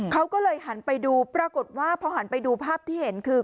เขาก็เลยหันไปดูปรากฏว่าพอหันไปดูภาพที่เห็นคือ